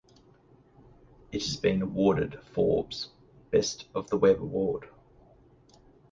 It has been awarded Forbes' Best of the Web award.